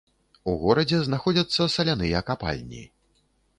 У горадзе знаходзяцца саляныя капальні.